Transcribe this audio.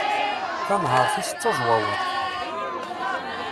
Tanhert-is d tazwawaṭ.